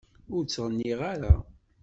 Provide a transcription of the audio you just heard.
Ur ttɣenniɣ ara.